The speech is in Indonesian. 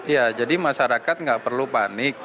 ya jadi masyarakat nggak perlu panik